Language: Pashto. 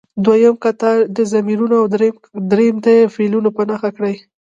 دویم کتار دې ضمیرونه او دریم دې فعلونه په نښه کړي.